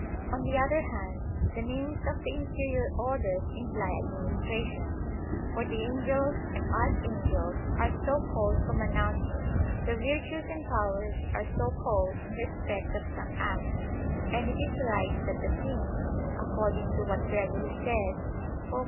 On the other hand, the names of the inferior orders imply administration, for the "Angels" and "Archangels" are so called from "announcing"; the "Virtues" and "Powers" are so called in respect of some act; and it is right that the "Prince," according to what Gregory says (Hom.